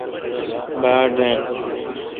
باڑ رین۔